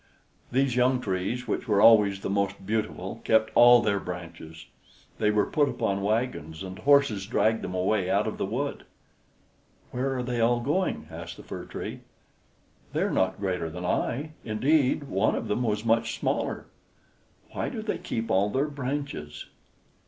These young trees, which were always the most beautiful, kept all their branches; they were put upon wagons, and horses dragged them away out of the wood. "Where are they all going?" asked the Fir Tree. "They are not greater than I indeed, one of them was much smaller. Why do they keep all their branches?